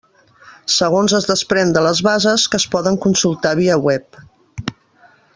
Segons es desprèn de les bases, que es poden consultar via web.